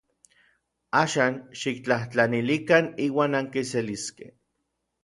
Axan xiktlajtlanilikan iuan ankiseliskej.